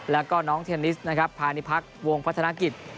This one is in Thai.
แล้วก็น้องเทนนิสนะครับพาณิพักษ์วงพัฒนากิจ